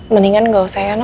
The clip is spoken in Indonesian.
mendingan ga usah ya no